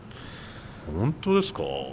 本当ですか？